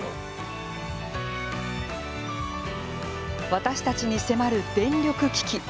私たちに迫る電力危機。